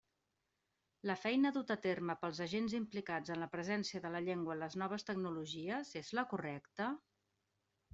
La feina duta a terme pels agents implicats en la presència de la llengua en les noves tecnologies és la correcta?